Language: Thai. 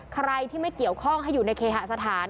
ใครที่ไม่เกี่ยวข้องให้อยู่ในเคหสถาน